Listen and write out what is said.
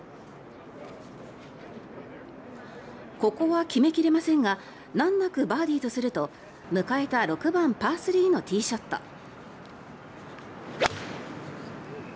ここは決め切れませんが難なくバーディーとすると迎えた６番、パー３のティーショット。